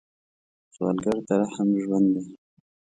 سوالګر ته رحم ژوند دی